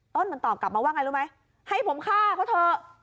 ต้นมันตอบกลับมาว่าไงรู้ไหมให้ผมฆ่าเขาเถอะ